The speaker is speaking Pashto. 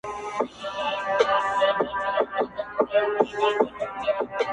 • توپان نه وو اسماني توره بلا وه -